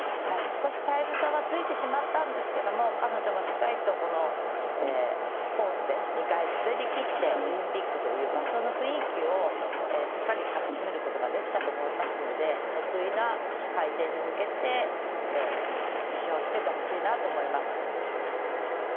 少しタイム差はついてしまったんですが彼女もしっかりとこのコースで２回滑りきってオリンピックという場所の雰囲気をしっかりかみしめることができたと思いますので得意な回転に向けて自信をつけてほしいなと思います。